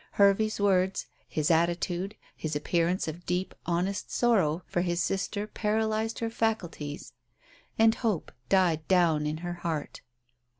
Hervey's words, his attitude, his appearance of deep, honest sorrow for his sister paralyzed her faculties and hope died down in her heart.